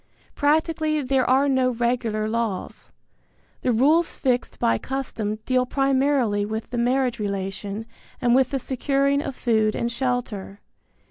Practically there are no regular laws. The rules fixed by custom deal primarily with the marriage relation and with the securing of food and shelter.